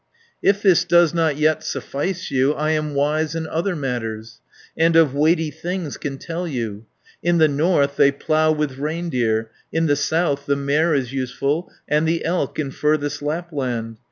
"If this does not yet suffice you, I am wise in other matters, And of weighty things can tell you. In the north they plough with reindeer, In the south the mare is useful, And the elk In furthest Lapland.